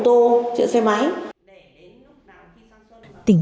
để lúc nào khi mang con vào nhà